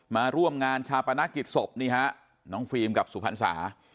มาร่วมงานชาปนกิจศพนี่ฮะน้องฟิล์มกับสุพรรษา